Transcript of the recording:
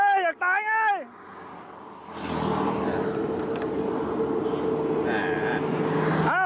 เฮ่ยอยากตายไง